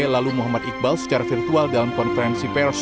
lalu muhammad iqbal secara virtual dalam konferensi pers